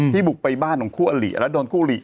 บุกไปบ้านของคู่อลิแล้วโดนคู่หลี